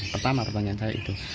pertama pertanyaan saya itu